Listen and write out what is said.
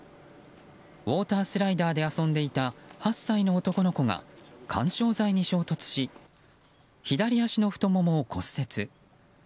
ウォータースライダーで遊んでいた８歳の男の子が緩衝材に衝突し左足の太ももを骨折。